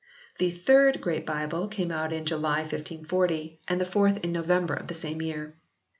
The third Great Bible came out in July 1540, and ihe fourth in November of the same year.